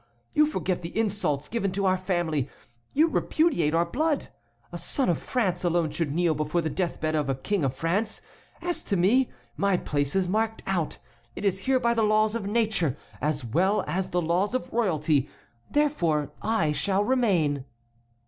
You forget the insults given to our family, you repudiate our blood. A son of France alone should kneel before the death bed of a King of France. As to me, my place is marked out; it is here by the laws of nature as well as the laws of royalty. Therefore I shall remain."